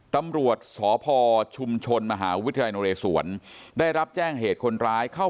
ตำรวจสพชุมชนมหาวิทยาลัยนเรศวรได้รับแจ้งเหตุคนร้ายเข้า